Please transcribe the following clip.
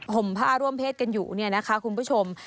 ห่มภาพร่อมเพศกันอยู่นะคะคุณผู้ชม